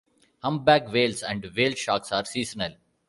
Humpback whales and whale sharks are seasonal.